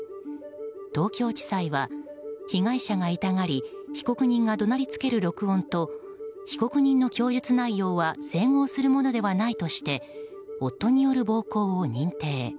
東京地裁は、被害者が痛がり被告人が怒鳴りつける録音と被告人の供述内容は整合するものではないとして夫による暴行を認定。